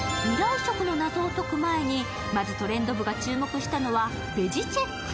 食の謎を解く前にまず「トレンド部」が注目したのはベジチェック。